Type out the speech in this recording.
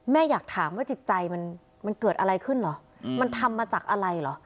อยากถามว่าจิตใจมันเกิดอะไรขึ้นเหรอมันทำมาจากอะไรเหรอ